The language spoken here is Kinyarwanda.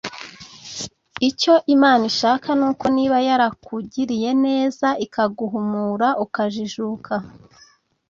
Icyo Imana ishaka ni uko niba yarakugiriye neza ikaguhumura ukajijuka